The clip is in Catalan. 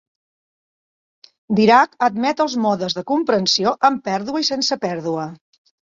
Dirac admet els modes de comprensió amb pèrdua i sense pèrdua.